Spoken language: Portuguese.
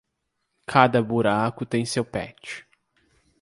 Cada buraco tem seu patch.